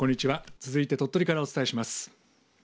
続いて鳥取からお伝えします。